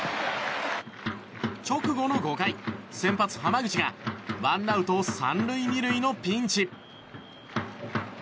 直後の５回先発、濱口がワンアウト３塁２塁のピンチ。